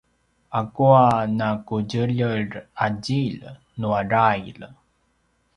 akua naqudjeljer a djilj nua drail?